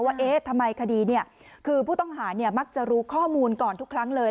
ว่าเอ๊ะทำไมคดีคือผู้ต้องหามักจะรู้ข้อมูลก่อนทุกครั้งเลย